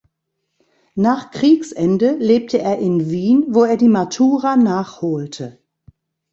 Nach Kriegsende lebte er in Wien, wo er die Matura nachholte.